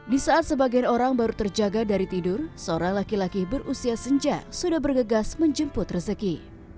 di saat sebagian orang baru terjaga dari tidur seorang laki laki berusia senja sudah bergegas menjemput rezeki